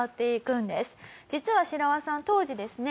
実はシラワさん当時ですね